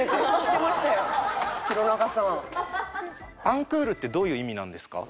アンクールってどういう意味なんですか？